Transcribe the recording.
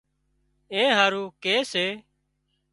اين هارو ڪي سي